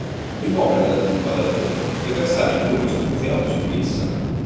Rimuovere la zuppa dal forno e versare il burro speziato su di essa.